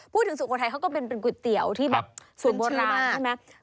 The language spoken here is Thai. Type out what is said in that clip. สุโขทัยเขาก็เป็นก๋วยเตี๋ยวที่แบบสูตรโบราณใช่ไหม